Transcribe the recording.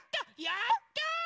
やった！